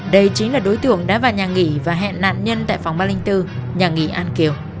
đây chính là đối tượng đã vào nhà nghỉ và hẹn nạn nhân tại phòng ba trăm linh bốn nhà nghỉ an kiều